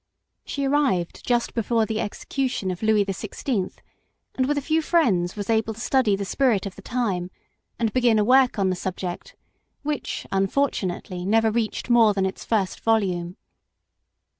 She arrived just before the execution of Louis XVI., and with a few friends was able to study the spirit of the time, and begin a work on the subject, which, un fortunately, never reached more than its first volume.